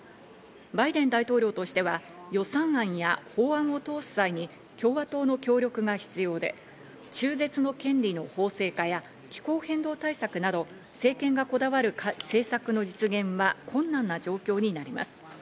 バイデン大統領としては予算案や法案を通す際に共和党の協力が必要で、中絶の権利の法制化や気候変動対策など政権がこだわる政策の実現は困難な状況になります。